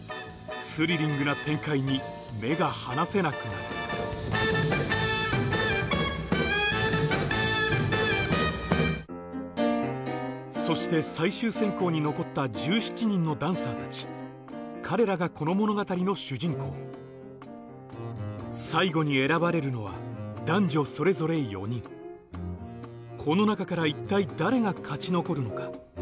スリリングな展開に目が離せなくなるそして最終選考に残った１７人のダンサーたち彼らがこの物語の主人公最後に選ばれるのは男女それぞれ４人この中から一体誰が勝ち残るのか？